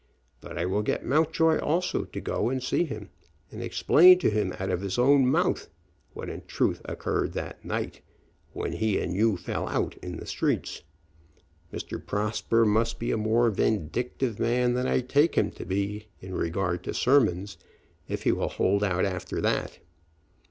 But I will get Mountjoy also to go and see him, and explain to him out of his own mouth what in truth occurred that night when he and you fell out in the streets. Mr. Prosper must be a more vindictive man than I take him to be in regard to sermons if he will hold out after that."